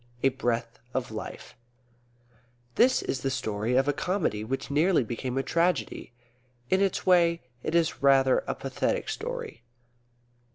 A BREATH OF LIFE This is the story of a comedy which nearly became a tragedy. In its way it is rather a pathetic story.